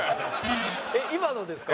えっ今のですか？